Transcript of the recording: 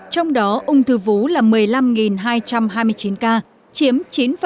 trong đó ung thư vú là một mươi năm hai trăm hai mươi chín ca chiếm chín bốn